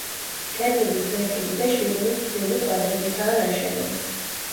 კედლები ფლეთილი და შირიმის თლილი კვადრებითაა ნაშენი.